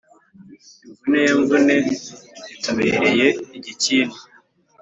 imvune ya mvune itubereye igikindu.